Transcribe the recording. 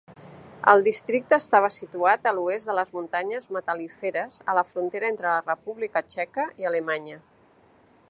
El districte estava situat a l'oest de les muntanyes Metal·líferes a la frontera entre la República Txeca i Alemanya.